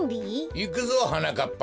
いくぞはなかっぱ。